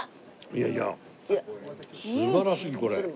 いやいや素晴らしいこれ。